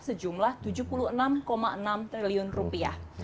sejumlah tujuh puluh enam enam triliun rupiah